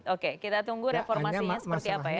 oke kita tunggu reformasinya seperti apa ya